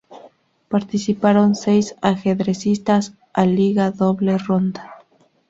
Participaron seis ajedrecistas a liga, doble ronda.